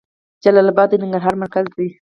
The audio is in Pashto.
جلال اباد د ننګرهار مرکز ده.